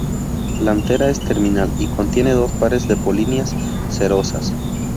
La antera es terminal, y contiene dos pares de polinias cerosas.